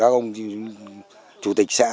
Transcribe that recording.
các ông chủ tịch xã